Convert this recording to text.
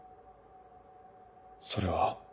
それは。